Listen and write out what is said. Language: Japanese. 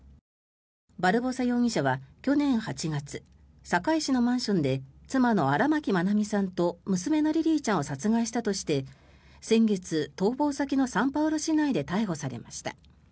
バルボサ容疑者は去年８月堺市のマンションで妻の荒牧愛美さんと娘のリリィちゃんを殺害したとして先月、逃亡先のサンパウロ市内で逮捕されました。